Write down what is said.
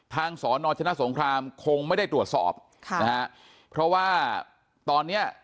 สอนอชนะสงครามคงไม่ได้ตรวจสอบค่ะนะฮะเพราะว่าตอนเนี้ย